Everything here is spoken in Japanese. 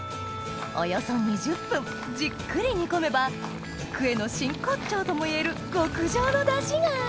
およそ２０分じっくり煮込めばクエの真骨頂ともいえる極上のダシが！